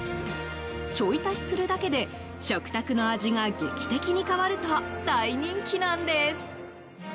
チョイ足しするだけで食卓の味が劇的に変わると大人気なんです！